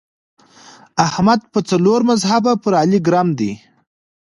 احمد په څلور مذهبه پر علي ګرم دی.